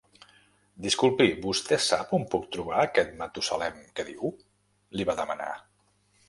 Disculpi, vostè sap on puc trobar aquest Matusalem que diu? —li va demanar.